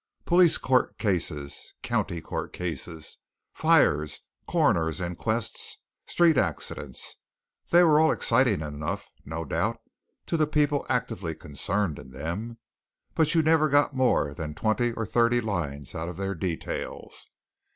Police court cases county court cases fires coroners' inquests street accidents they were all exciting enough, no doubt, to the people actively concerned in them, but you never got more than twenty or thirty lines out of their details.